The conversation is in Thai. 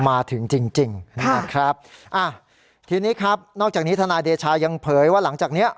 มาถึงจริงจริงนะครับอ่ะทีนี้ครับนอกจากนี้ทนายเดชายังเผยว่าหลังจากเนี้ย